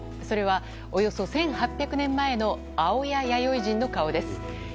それは、およそ１８００年前の青谷弥生人の顔です。